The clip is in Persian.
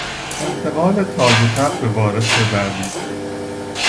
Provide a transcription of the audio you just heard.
انتقال تاج و تخت به وارث بعدی